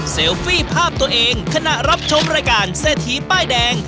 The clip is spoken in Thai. ฟี่ภาพตัวเองขณะรับชมรายการเศรษฐีป้ายแดง